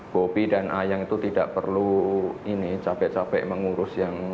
bobi dan ayang itu tidak perlu ini capek capek mengurus yang